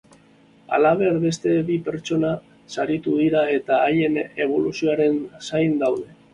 Halaber, beste bi pertsona zauritu dira, eta haien eboluzioaren zain daude.